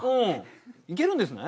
いけるんですね？